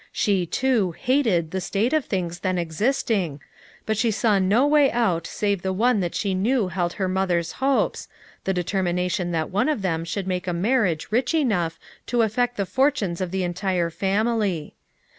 She too "hated" the siate of things then existing, but she saw no way out save the one that she knew held her mother's hopes, the determination that one of them should make a marriage rich enough to affect the fortunes of the entire family.